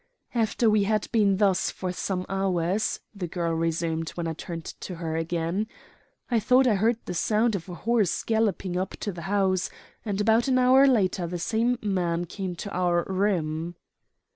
"After we had been thus for some hours," the girl resumed when I turned to her again, "I thought I heard the sound of a horse galloping up to the house, and about an hour later the same man came to our room.